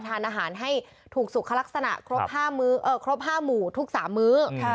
ทานอาหารให้ถูกสุขลักษณะครบ๕หมู่ทุก๓มื้อ